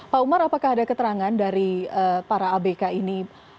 pak umar apakah ada keterangan dari para abk ini